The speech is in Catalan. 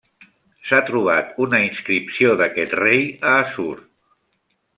S'ha trobat una inscripció d'aquest rei a Assur.